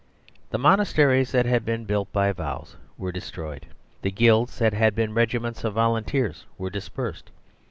The monasteries, that had been built by vows, were destroyed. The guilds, that had been regiments of volunteers, were dispersed.